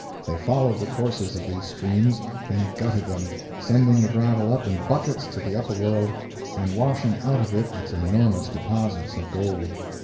They followed the courses of these streams, and gutted them, sending the gravel up in buckets to the upper world, and washing out of it its enormous deposits of gold.